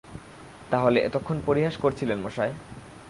তা হলে এতক্ষণ পরিহাস করছিলেন মশায়?